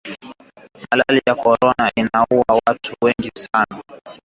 Malali ya corona inauwa watu wengi sana